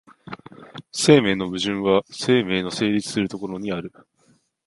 生命の矛盾は生命の成立する所にある。